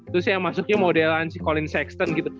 terus yang masuknya modelan si collin sexton gitu